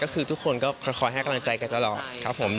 ก็คือทุกคนก็คอยให้กำลังใจกันตลอดครับผม